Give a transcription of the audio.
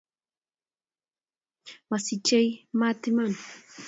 Mosichei mat iman